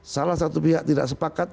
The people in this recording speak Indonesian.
salah satu pihak tidak sepakat